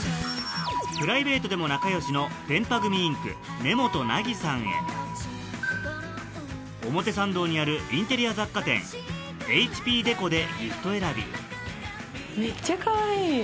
プライベートでも仲良しのでんぱ組．ｉｎｃ・根本凪さんへ表参道にあるインテリア雑貨店Ｈ．Ｐ．ＤＥＣＯでギフト選びめっちゃかわいい！